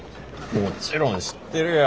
もちろん知ってるよ！